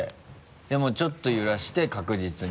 でもちょっと揺らして確実に。